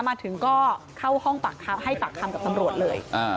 มาถึงก็เข้าห้องให้ปากคำกับตำรวจเลย